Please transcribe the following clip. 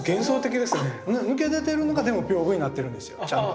抜け出てるのがでも屏風になってるんですよ。